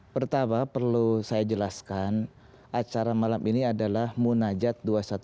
pertama perlu saya jelaskan acara malam ini adalah munajat dua ratus dua belas